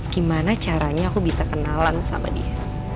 gimana caranya aku bisa kenalan sama dia